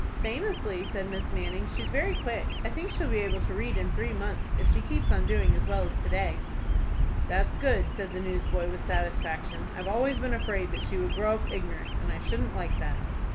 "Famously," said Miss Manning. "She's very quick. I think she'll be able to read in three months, if she keeps on doing as well as to day." "That's good," said the newsboy, with satisfaction. "I've always been afraid that she would grow up ignorant, and I shouldn't like that."